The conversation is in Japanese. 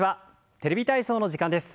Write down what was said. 「テレビ体操」の時間です。